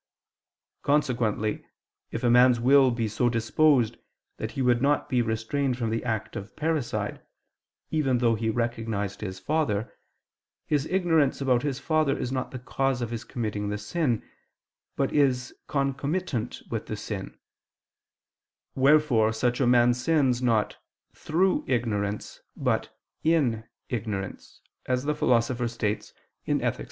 Consequently if a man's will be so disposed that he would not be restrained from the act of parricide, even though he recognized his father, his ignorance about his father is not the cause of his committing the sin, but is concomitant with the sin: wherefore such a man sins, not "through ignorance" but "in ignorance," as the Philosopher states (Ethic.